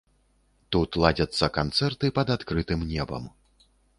Тут ладзяцца канцэрты пад адкрытым небам.